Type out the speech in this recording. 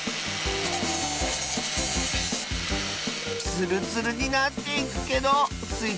ツルツルになっていくけどスイ